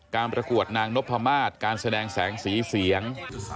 ประกวดนางนพมาศการแสดงแสงสีเสียง